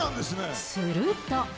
すると。